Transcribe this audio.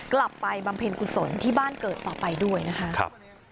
บำเพ็ญกุศลที่บ้านเกิดต่อไปด้วยนะคะ